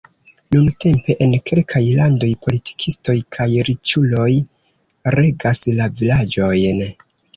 Nuntempe en kelkaj landoj politikistoj kaj riĉuloj regas la vilaĝojn.